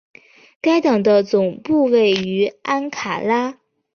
该党的总部位于安卡拉。